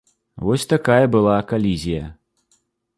Вось такая была калізія.